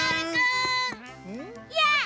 やあ！